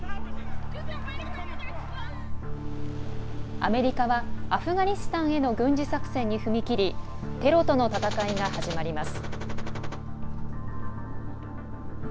アメリカはアフガニスタンへの軍事作戦に踏み切りテロとの戦いが始まります。